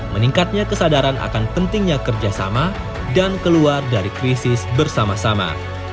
meningkatnya kesadaran akan pentingnya kerjasama dan keluar dari krisis bersama sama